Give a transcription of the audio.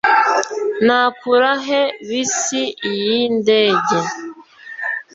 Nakura he bisi yindege?